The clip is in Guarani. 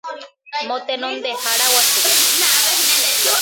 Motenondehára Guasu